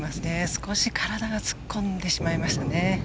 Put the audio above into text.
少し体が突っ込んでしまいました。